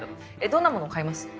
どんなもの買います？